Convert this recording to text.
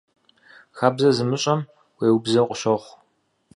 Хабзэ зымыщӏэм уеубзэу къыщохъу.